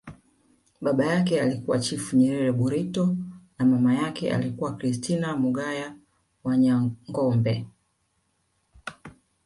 Baba yake alikuwa Chifu Nyerere Burito na mama yake alikuwa Christina Mugaya Wanyangombe